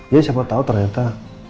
jadi siapa tau ternyata